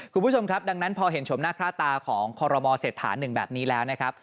คุณผู้ชมครับดังนั้นพอเห็นชมหน้าค่าตาของคอรมอเศรษฐานหนึ่งแบบนี้แล้วนะครับ